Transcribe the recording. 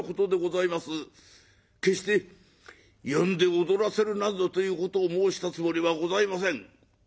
決して呼んで踊らせるなんぞということを申したつもりはございません」。